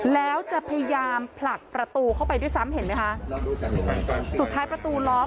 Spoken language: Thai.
แล้วจะพยายามผลักประตูเข้าไปด้วยซ้ำเห็นไหมคะสุดท้ายประตูล้อม